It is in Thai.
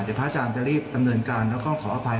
เดี๋ยวพระอาจารย์จะรีบดำเนินการแล้วก็ขออภัย